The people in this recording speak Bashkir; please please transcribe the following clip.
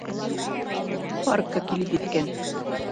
Паркка килеп еткән.